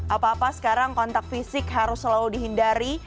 apa apa sekarang kontak fisik harus selalu dihindari